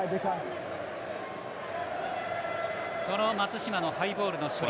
この松島のハイボールの処理。